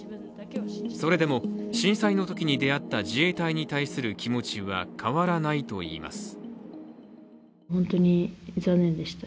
それでも震災のときに出会った自衛隊に対する気持ちは変わらないといいます。